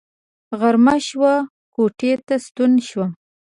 غرمه شوه کوټې ته ستون شوم.